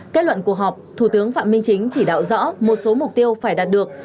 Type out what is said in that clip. kết luận cuộc họp thủ tướng phạm minh chính chỉ đạo rõ một số mục tiêu phải đạt được